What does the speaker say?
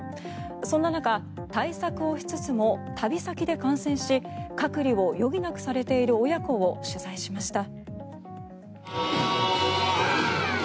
そんな中、対策をしつつも旅先で感染し隔離を余儀なくされている親子を取材しました。